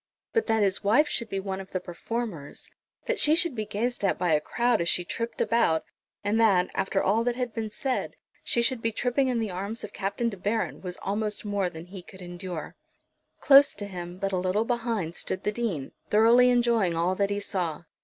But that his wife should be one of the performers, that she should be gazed at by a crowd as she tripped about, and that, after all that had been said, she should be tripping in the arms of Captain De Baron, was almost more than he could endure. Close to him, but a little behind, stood the Dean, thoroughly enjoying all that he saw.